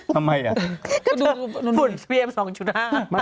ทำไมน่ะก็ดูฝุ่นพี่เอ็มสองชุดห้า